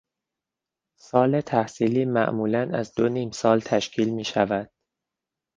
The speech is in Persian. سال تحصیلی معمولا از دو نیمسال تشکیل میشود.